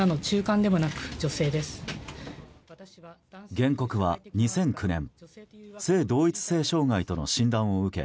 原告は２００９年性同一性障害との診断を受け